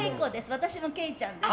私も惠ちゃんです。